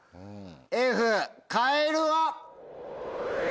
Ｆカエルは？